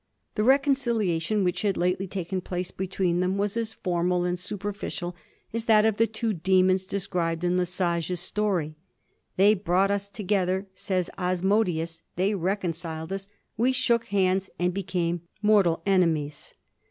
The reconciliation which had lately taken place between them was as formal and super ficial as that of the two demons described in Le Sage's story. ' They brought us together,' says Asmodeus ;^ they reconciled us. We shook hands, and became mortal enemies.'